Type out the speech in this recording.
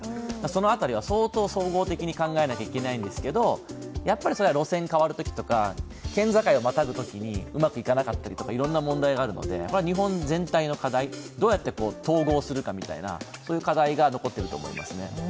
その辺りは相当総合的に考えなきゃいけないんですけど、路線が変わるときとか県境をまたぐときにうまくいかなかったり、いろんな問題があるので、日本全体の課題、どうやって統合するかみたいな、そういう課題が残っていると思いますね。